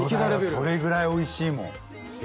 それぐらいおいしいもんいや